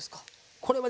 これはね